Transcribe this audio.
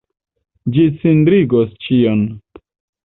Ĝi cindrigos ĉion.